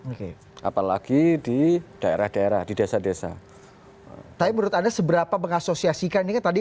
oke apalagi di daerah daerah di desa desa tapi menurut anda seberapa mengasosiasikan ini kan tadi